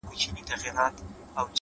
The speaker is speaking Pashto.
• خو ځول یې په سینو کي رنځور زړونه ,